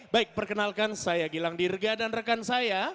baik perkenalkan saya gilang dirga dan rekan saya